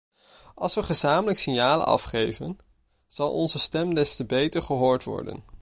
Als we gezamenlijk signalen afgeven, zal onze stem des te beter gehoord worden.